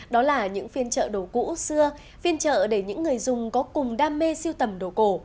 đó là những phiên trợ đồ cũ xưa phiên chợ để những người dùng có cùng đam mê siêu tầm đồ cổ